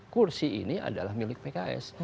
kursi ini adalah milik pks